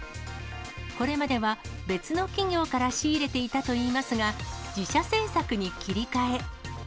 これまでは別の企業から仕入れていたといいますが、自社製作に切り替え。